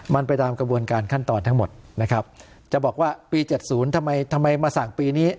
มันไปตามกระบวนการขั้นตอนทั้งหมดนะครับจะบอกว่าปี๗๐ทำไมทำไมมาสั่งปีนี้